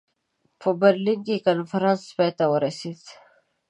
په برلین کې کنفرانس پای ته ورسېد.